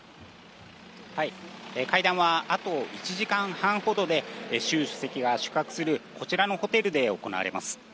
会談はあと１時間半ほどで、習主席が宿泊するこちらのホテルで行われます。